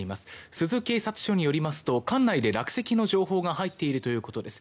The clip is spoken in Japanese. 珠洲警察署によりますと管内で落石の情報が入っているということです。